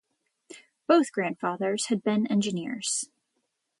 Both grandfathers had been engineers.